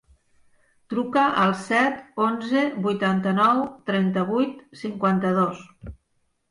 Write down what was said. Truca al set, onze, vuitanta-nou, trenta-vuit, cinquanta-dos.